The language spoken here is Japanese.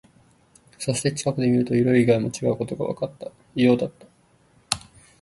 そして、近くで見ると、色以外も違うことがわかった。異様だった。